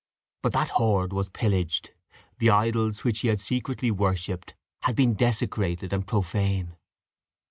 But that hoard was pillaged; the idols which he had secretly worshipped had been desecrated and profane.